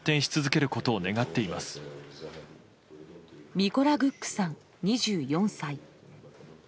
ミコラ・グックさん、２４歳。